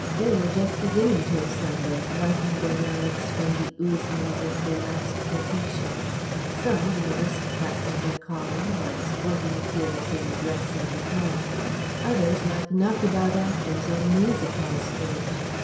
They were just beginning to assemble, wiping their mouths from the oozings of the last potation; some, the aristocrats of their calling, like sporting peers in dress and appearance; others like knock about actors on the music hall stage.